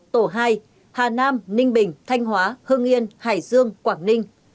tổ hai hà nam ninh bình thanh hóa hương yên hải dương quảng ninh